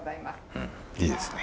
うんいいですね。